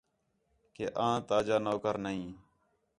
کہ آں تا جا نوکر نہیں